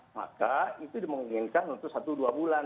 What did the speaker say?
maka itu dimungkinkan untuk satu dua bulan